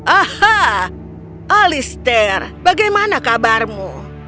aha alistair bagaimana kabarmu